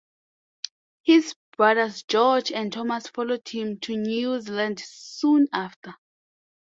His brothers George and Thomas followed him to New Zealand soon after.